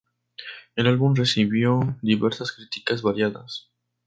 El álbum recibió diversas críticas variadas.